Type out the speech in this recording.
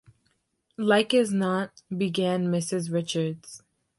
"Like as not —" began Mrs. Richards.